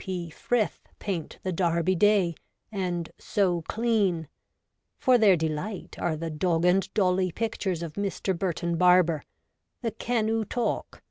P. Frith paint the Derby Day and So Clean; for their delight are the ' dog and dolly ' pictures of Mr. Burton Barber, the Can '00 Talk